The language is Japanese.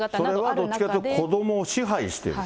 それはどっちかというと子どもを支配している。